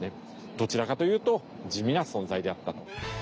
どちらかというと地味な存在であったと。